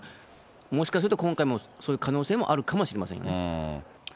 もしかすると、今回もそういう可能性もあるかもしれませんよね。